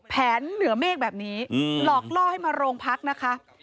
เหนือเมฆแบบนี้หลอกล่อให้มาโรงพักนะคะ